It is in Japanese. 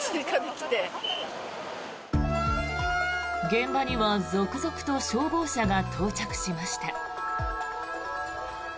現場には続々と消防車が到着しました。